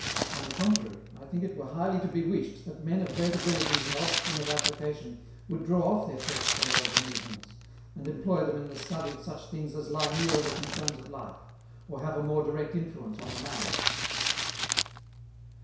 On the contrary, I think it were highly to be wished that men of great abilities and obstinate application would draw off their thoughts from those amusements, and employ them in the study of such things as lie nearer the concerns of life, or have a more direct influence on the manners.